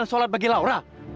dan sholat bagi laura